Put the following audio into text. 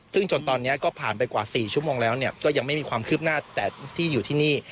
ซึ่งจนตอนนี้ก็ผ่านไปกว่า๔ชั่วโมงแล้วก็ยังไม่มีความคืบหน้าแต่ที่อยู่ที่นี่